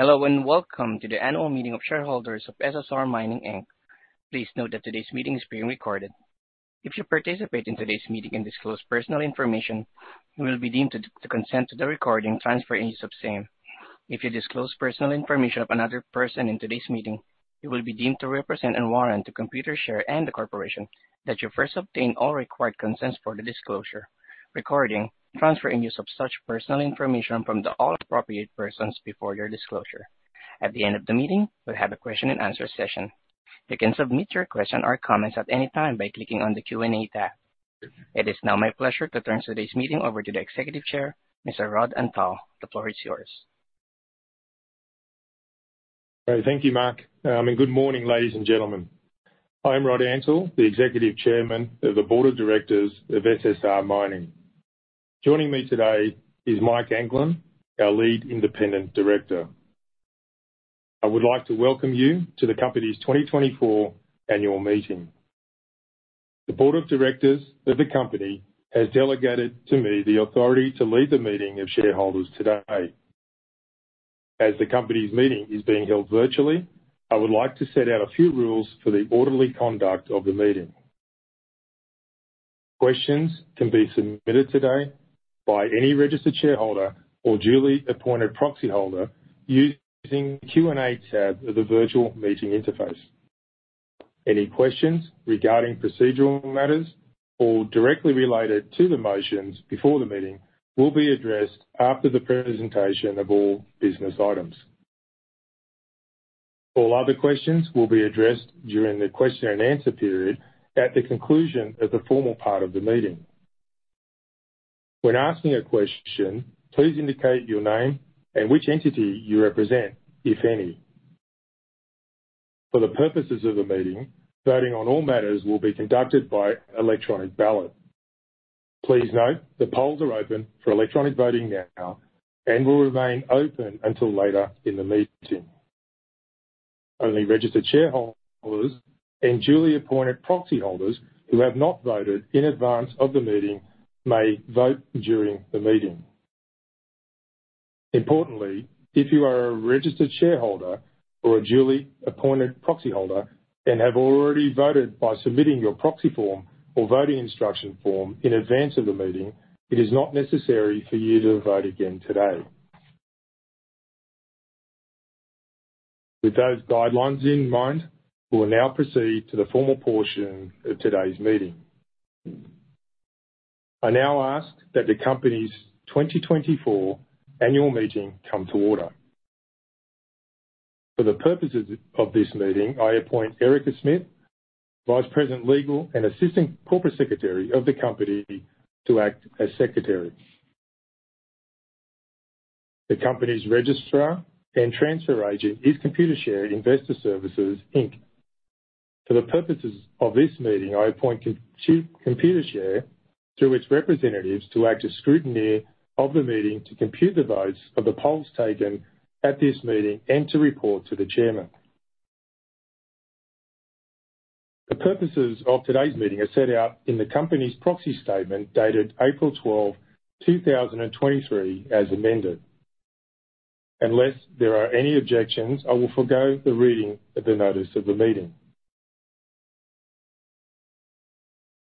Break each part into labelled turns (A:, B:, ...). A: Hello, and welcome to the annual meeting of shareholders of SSR Mining Inc. Please note that today's meeting is being recorded. If you participate in today's meeting and disclose personal information, you will be deemed to consent to the recording, transfer, and use of same. If you disclose personal information of another person in today's meeting, you will be deemed to represent and warrant to Computershare and the corporation that you first obtained all required consents for the disclosure, recording, transfer, and use of such personal information from all appropriate persons before their disclosure. At the end of the meeting, we'll have a question and answer session. You can submit your question or comments at any time by clicking on the Q&A tab. It is now my pleasure to turn today's meeting over to the Executive Chair, Mr. Rod Antal. The floor is yours.
B: Thank you, Mark, and good morning, ladies and gentlemen. I'm Rod Antal, the Executive Chairman of the Board of Directors of SSR Mining. Joining me today is Mike Anglin, our Lead Independent Director. I would like to welcome you to the company's 2024 annual meeting. The board of directors of the company has delegated to me the authority to lead the meeting of shareholders today. As the company's meeting is being held virtually, I would like to set out a few rules for the orderly conduct of the meeting. Questions can be submitted today by any registered shareholder or duly appointed proxyholder using the Q&A tab of the virtual meeting interface. Any questions regarding procedural matters or directly related to the motions before the meeting will be addressed after the presentation of all business items. All other questions will be addressed during the question and answer period at the conclusion of the formal part of the meeting. When asking a question, please indicate your name and which entity you represent, if any. For the purposes of the meeting, voting on all matters will be conducted by electronic ballot. Please note, the polls are open for electronic voting now, and will remain open until later in the meeting. Only registered shareholders and duly appointed proxyholders who have not voted in advance of the meeting may vote during the meeting. Importantly, if you are a registered shareholder or a duly appointed proxyholder, and have already voted by submitting your proxy form or voting instruction form in advance of the meeting, it is not necessary for you to vote again today. With those guidelines in mind, we will now proceed to the formal portion of today's meeting. I now ask that the company's 2024 annual meeting come to order. For the purposes of this meeting, I appoint Erica Smith, Vice President, Legal and Assistant Corporate Secretary of the company, to act as secretary. The company's registrar and transfer agent is Computershare Investor Services Inc. For the purposes of this meeting, I appoint Computershare, through its representatives, to act as scrutineer of the meeting, to compute the votes of the polls taken at this meeting, and to report to the chairman. The purposes of today's meeting are set out in the company's proxy statement, dated April 12, 2023, as amended. Unless there are any objections, I will forgo the reading of the notice of the meeting.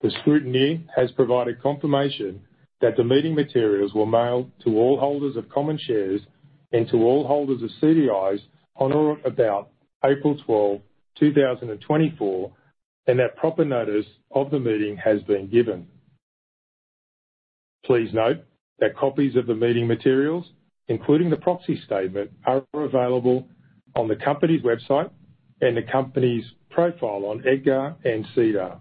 B: The scrutineer has provided confirmation that the meeting materials were mailed to all holders of common shares and to all holders of CDIs on or about April 12, 2024, and that proper notice of the meeting has been given. Please note that copies of the meeting materials, including the proxy statement, are available on the company's website and the company's profile on EDGAR and SEDAR.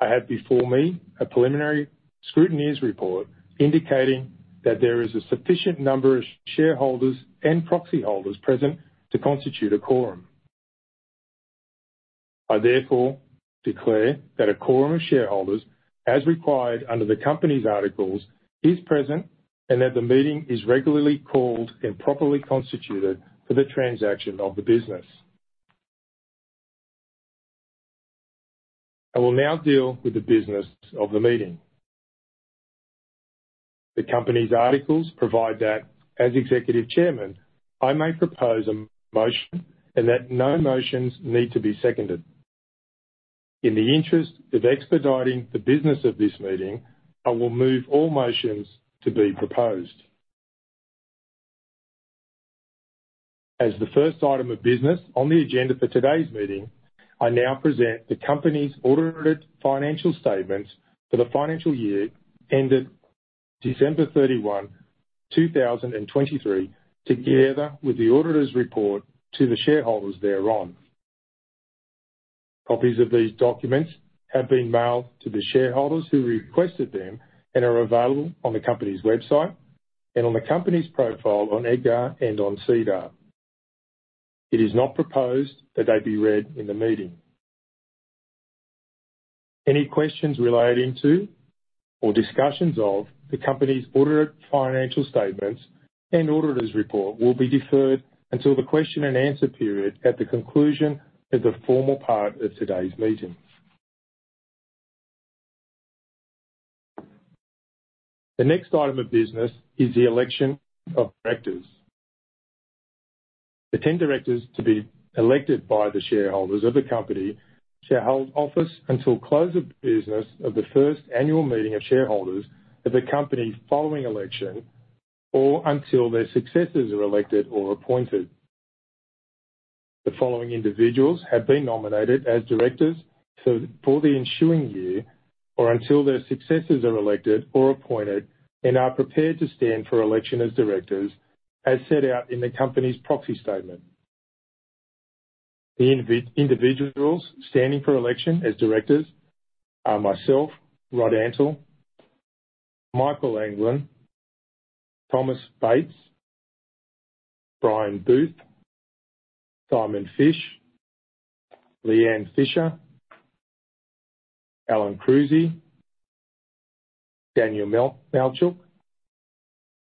B: I have before me a preliminary scrutineer's report indicating that there is a sufficient number of shareholders and proxyholders present to constitute a quorum. I therefore declare that a quorum of shareholders, as required under the company's articles, is present, and that the meeting is regularly called and properly constituted for the transaction of the business. I will now deal with the business of the meeting. The company's articles provide that, as Executive Chairman, I may propose a motion, and that no motions need to be seconded. In the interest of expediting the business of this meeting, I will move all motions to be proposed. As the first item of business on the agenda for today's meeting, I now present the company's audited financial statements for the financial year ended December thirty-one, two thousand and twenty-three, together with the auditor's report to the shareholders thereon. Copies of these documents have been mailed to the shareholders who requested them and are available on the company's website and on the company's profile on EDGAR and on SEDAR. It is not proposed that they be read in the meeting. Any questions relating to or discussions of the company's audited financial statements and auditor's report will be deferred until the question and answer period at the conclusion of the formal part of today's meeting. The next item of business is the election of directors. The ten directors to be elected by the shareholders of the company shall hold office until close of business of the first annual meeting of shareholders of the company following election, or until their successors are elected or appointed. The following individuals have been nominated as directors for the ensuing year or until their successors are elected or appointed, and are prepared to stand for election as directors, as set out in the company's proxy statement. The individuals standing for election as directors are myself, Rod Antal, Michael Anglin, Thomas Bates, Brian Booth, Simon Fish, Leigh Ann Fisher, Alan Krusi, Daniel Malchuk,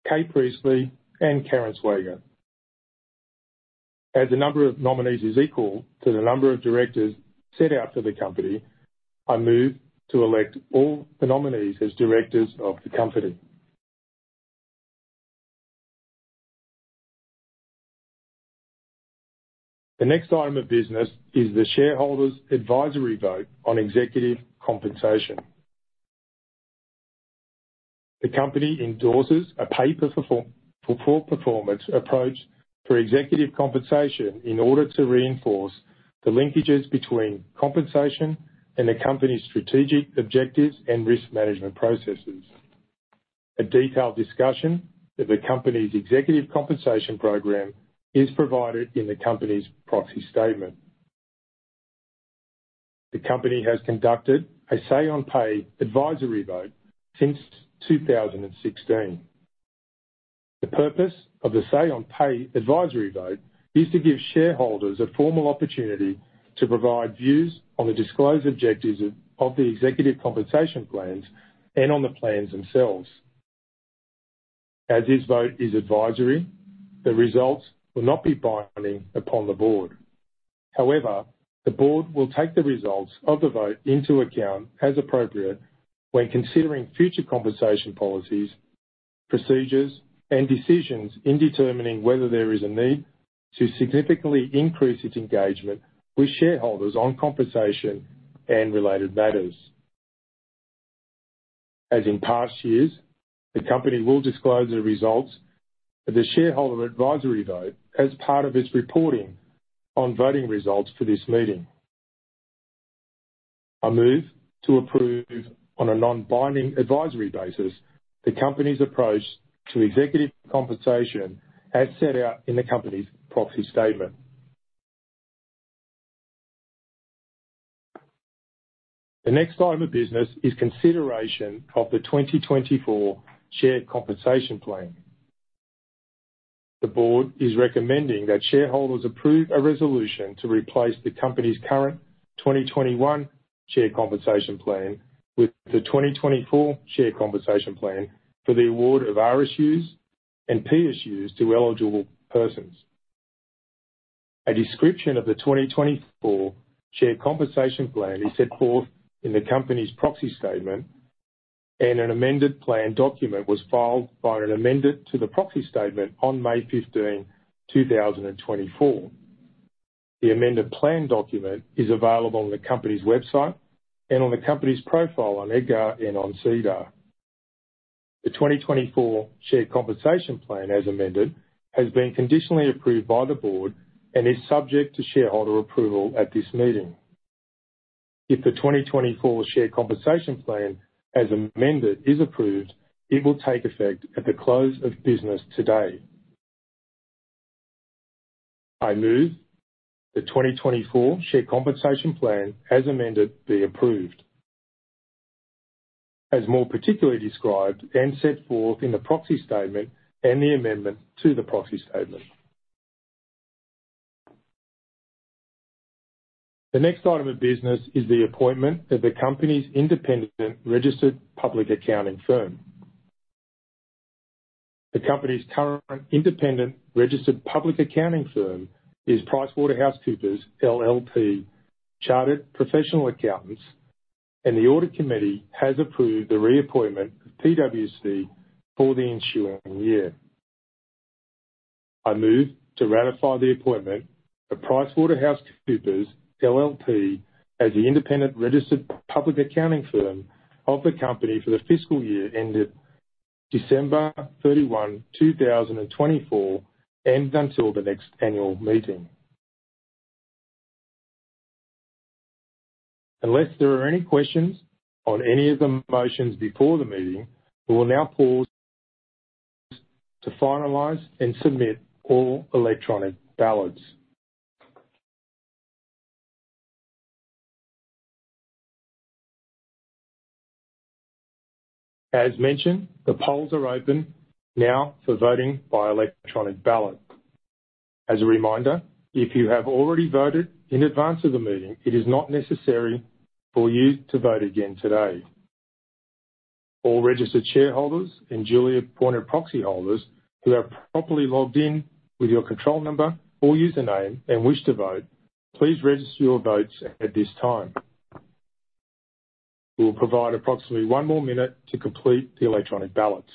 B: Kay Priestly, and Karen Swager. As the number of nominees is equal to the number of directors set out for the company, I move to elect all the nominees as directors of the company. The next item of business is the shareholders' advisory vote on executive compensation. The company endorses a pay for performance approach for executive compensation in order to reinforce the linkages between compensation and the company's strategic objectives and risk management processes. A detailed discussion of the company's executive compensation program is provided in the company's proxy statement. The company has conducted a Say on Pay advisory vote since 2016. The purpose of the Say on Pay advisory vote is to give shareholders a formal opportunity to provide views on the disclosed objectives of the executive compensation plans and on the plans themselves. As this vote is advisory, the results will not be binding upon the board. However, the board will take the results of the vote into account, as appropriate, when considering future compensation policies, procedures, and decisions in determining whether there is a need to significantly increase its engagement with shareholders on compensation and related matters. As in past years, the company will disclose the results of the shareholder advisory vote as part of its reporting on voting results for this meeting. I move to approve, on a non-binding advisory basis, the company's approach to executive compensation as set out in the company's proxy statement. The next item of business is consideration of the 2024 Share Compensation Plan. The board is recommending that shareholders approve a resolution to replace the company's current 2021 Share Compensation Plan with the 2024 Share Compensation Plan for the award of RSUs and PSUs to eligible persons. A description of the 2024 Share Compensation Plan is set forth in the company's proxy statement, and an amended plan document was filed by an amendment to the proxy statement on May 15, 2024. The amended plan document is available on the company's website and on the company's profile on EDGAR and on SEDAR. The 2024 Share Compensation Plan, as amended, has been conditionally approved by the board and is subject to shareholder approval at this meeting. If the 2024 Shared Compensation Plan, as amended, is approved, it will take effect at the close of business today. I move the 2024 Share Compensation Plan, as amended, be approved, as more particularly described and set forth in the proxy statement and the amendment to the proxy statement. The next item of business is the appointment of the company's independent registered public accounting firm. The company's current independent registered public accounting firm is PricewaterhouseCoopers LLP, Chartered Professional Accountants, and the audit committee has approved the reappointment of PwC for the ensuing year. I move to ratify the appointment of PricewaterhouseCoopers LLP, as the independent registered public accounting firm of the company for the fiscal year ended December 31, 2024, and until the next annual meeting. Unless there are any questions on any of the motions before the meeting, we will now pause to finalize and submit all electronic ballots. As mentioned, the polls are open now for voting by electronic ballot. As a reminder, if you have already voted in advance of the meeting, it is not necessary for you to vote again today.... All registered shareholders and duly appointed proxy holders who are properly logged in with your control number or username and wish to vote, please register your votes at this time. We will provide approximately one more minute to complete the electronic ballots.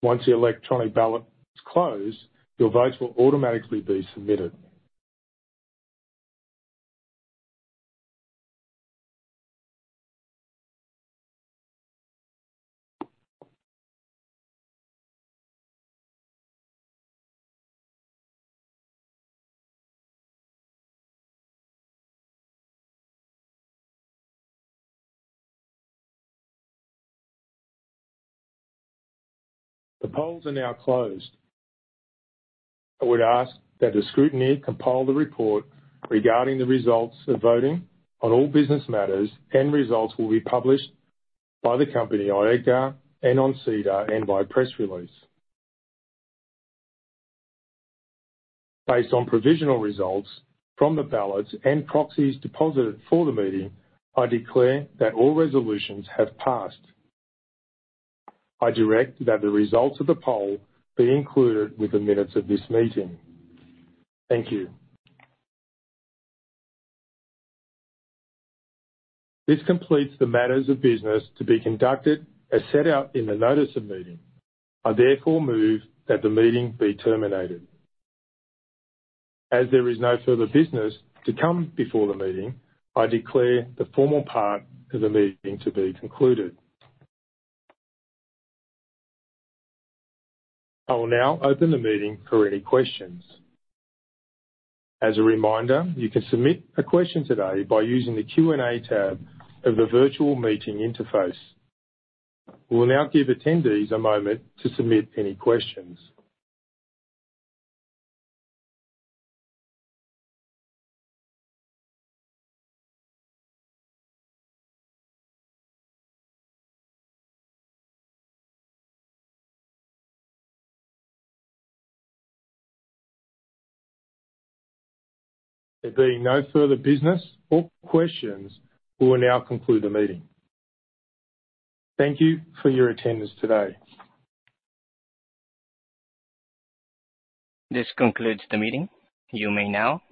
B: Once the electronic ballot is closed, your votes will automatically be submitted. The polls are now closed. I would ask that the scrutineer compile the report regarding the results of voting on all business matters, and results will be published by the company on EDGAR and on SEDAR and by press release. Based on provisional results from the ballots and proxies deposited for the meeting, I declare that all resolutions have passed. I direct that the results of the poll be included with the minutes of this meeting. Thank you. This completes the matters of business to be conducted as set out in the notice of meeting. I therefore move that the meeting be terminated. As there is no further business to come before the meeting, I declare the formal part of the meeting to be concluded. I will now open the meeting for any questions. As a reminder, you can submit a question today by using the Q&A tab of the virtual meeting interface. We will now give attendees a moment to submit any questions. There being no further business or questions, we will now conclude the meeting. Thank you for your attendance today.
A: This concludes the meeting. You may now disconnect.